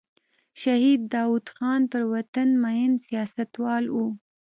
شهید داود خان پر وطن مین سیاستوال و.